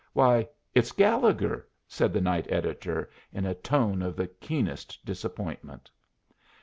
"Why, it's Gallegher," said the night editor, in a tone of the keenest disappointment.